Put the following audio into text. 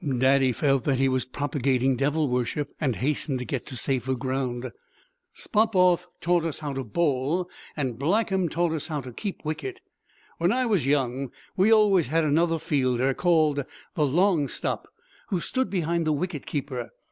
Daddy felt that he was propagating devil worship and hastened to get to safer ground. "Spofforth taught us how to bowl and Blackham taught us how to keep wicket. When I was young we always had another fielder, called the long stop, who stood behind the wicket keeper.